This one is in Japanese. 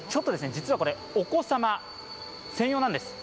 実はこれ、お子様専用なんです。